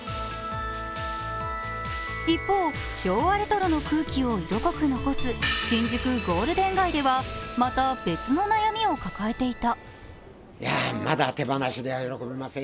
一方、昭和レトロの空気を色濃く残す新宿ゴールデン街ではまた別の悩みを抱えていた。